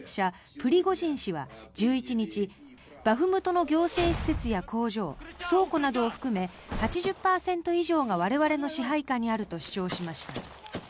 プリゴジン氏は１１日バフムトの行政施設や工場倉庫などを含め８０％以上が我々の支配下にあると主張しました。